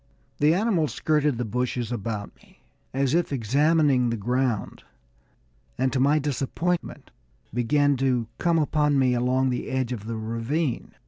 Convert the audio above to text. The animal skirted the bushes about me, as if examining the ground, and to my disappointment, began to come upon me along the edge of the ravine.